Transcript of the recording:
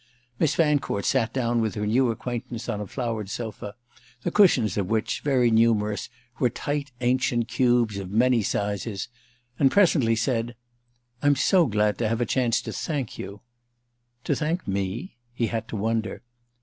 Miss Fancourt sat down with her new acquaintance on a flowered sofa, the cushions of which, very numerous, were tight ancient cubes of many sizes, and presently said: "I'm so glad to have a chance to thank you." "To thank me—?" He had to wonder.